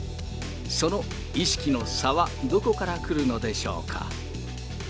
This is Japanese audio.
その意識の差はどこから来るのでしょうか。